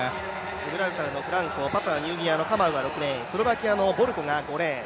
ジブラルタルのフランコ、パプアニューギニアのカマウ、スロバキアのボルコが６レーン。